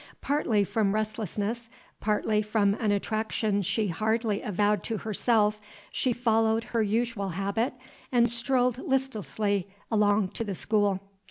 Partly from restlessness, partly from an attraction she hardly avowed to herself, she followed her usual habit and strolled listlessly along to the school.